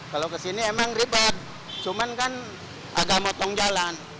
kalau ke sini memang ribet cuman kan agak motong jalan